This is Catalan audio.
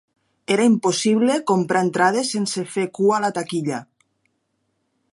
Era impossible comprar entrades sense fer cua a la taquilla.